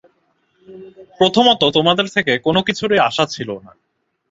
প্রথমে তোমাদের থেকে কোন কিছুরই আশা ছিল না।